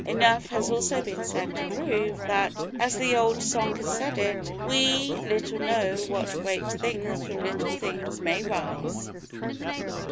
Enough has also been said to prove, that, as the old song has it, "we little know what great things from little things may rise."